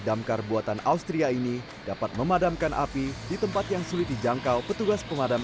damkar buatan austria ini dapat memadamkan api di tempat yang sulit dijangkau petugas pemadam